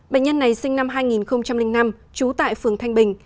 bệnh nhân này sinh năm hai nghìn năm trú tại phường thanh bình